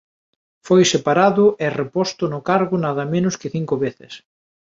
Foi separado e reposto no cargo nada menos que cinco veces.